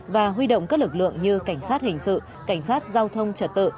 và huy động các lực lượng như cảnh sát hình sự cảnh sát giao thông trật tự